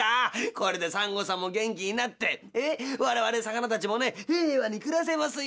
これでサンゴさんも元気になって我々魚たちもね平和に暮らせますよ。